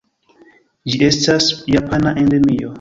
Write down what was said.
Ĝi estas japana endemio.